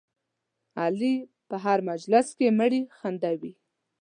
علي په هر مجلس کې مړي خندوي.